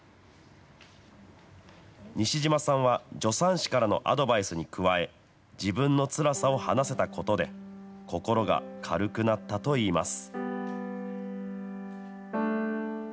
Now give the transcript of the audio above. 西島さんは、助産師からのアドバイスに加え、自分のつらさを話せたことで、心が軽くなったといいます。